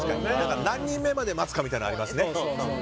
何人目まで待つかみたいなのありますね。